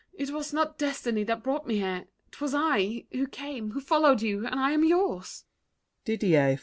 It was Not destiny that brought me here. 'Twas I Who came, who followed you, and I am yours!